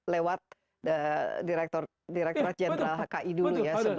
lewat direktur general hki dulu ya